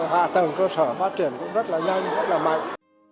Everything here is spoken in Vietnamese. hạ tầng cơ sở phát triển cũng rất là nhanh rất là mạnh